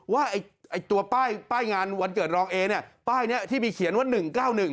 ว่าตัวป้ายป้ายงานวันเกิดรองเอเนี่ยป้ายนี้ที่มีเขียนว่า๑๙๑